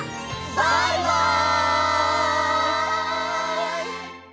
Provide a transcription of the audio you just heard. バイバイ！